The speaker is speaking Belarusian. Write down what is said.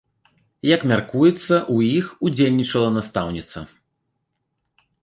Як мяркуецца, у іх удзельнічала настаўніца.